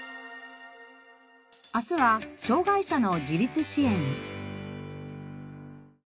明日は障がい者の自立支援。